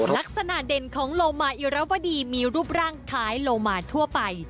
ลักษณะเด่นของโลมาอิรวดีมีรูปร่างคล้ายโลมาทั่วไป